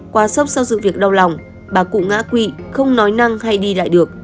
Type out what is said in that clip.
qua sốc sau sự việc đau lòng bà cụ ngã quỵ không nói năng hay đi lại được